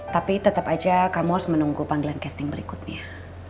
tapi tetap aja kamu harus menunggu panggilan casting berikutnya